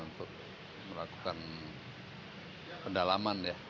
untuk melakukan pendalaman ya